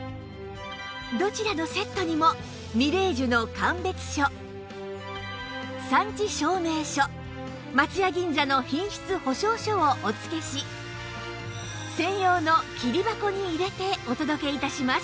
どちらのセットにもみれい珠の鑑別書産地証明書松屋銀座の品質保証書をお付けし専用の桐箱に入れてお届け致します